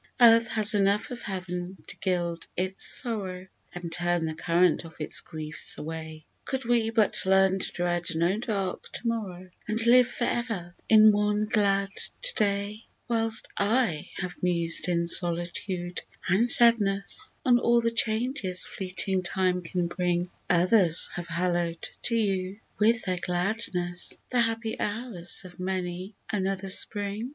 '' 31 Earth has enough of heav'n to gild its sorrow And turn the current of its griefs away, Could we but learn to dread no dark To morrow, And live for ever in one glad To day ! Whilst / have mused in solitude and sadness On all the changes fleeting time can bring, Others have hallow'd to you, with their gladness, The happy hours of many another Spring.